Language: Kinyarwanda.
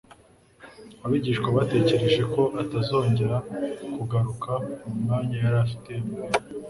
Abigishwa batekereje ko atazongera kugaruka mu mwanya yari afite muri bo,